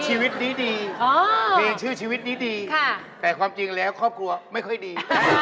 ชีวิตนี้ดีมีชื่อชีวิตนี้ดีแต่ความจริงแล้วครอบครัวไม่ค่อยดี